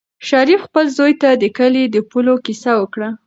شریف خپل زوی ته د کلي د پولو کیسه وکړه.